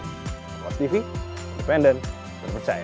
kompastv independen dan percaya